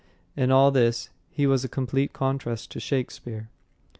In all this he was a complete contrast to Shakespeare.